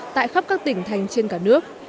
tại khắp các tỉnh thành trên cả nước